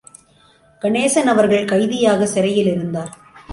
கணேசன் அவர்கள் கைதியாக சிறையிலிருந்தார்.